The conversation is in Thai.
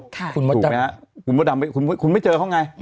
ถูกไหมครับคุณไม่เจอเขาไง